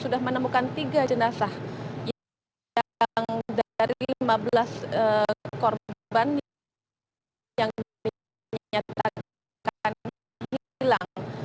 sudah menemukan tiga jenazah yang dari lima belas korban yang dinyatakan hilang